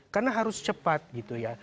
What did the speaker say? karena harus cepat gitu ya